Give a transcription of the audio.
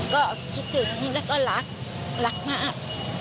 ก็คิดถึงแล้วก็รักรักมาก